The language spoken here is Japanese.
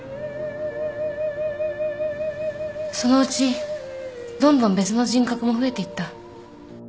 そのうちどんどん別の人格も増えていった。